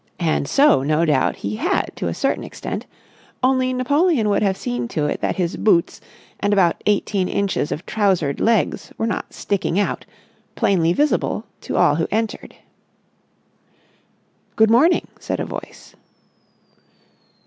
And so, no doubt, he had to a certain extent; only Napoleon would have seen to it that his boots and about eighteen inches of trousered legs were not sticking out, plainly visible to all who entered. "Good morning," said a voice.